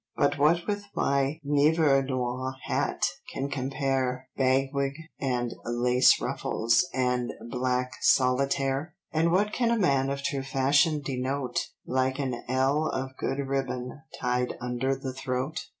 But what with my Nivernois hat can compare, Bag wig, and laced ruffles, and black solitaire? And what can a man of true fashion denote, Like an ell of good ribbon tied under the throat?